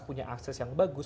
punya akses yang bagus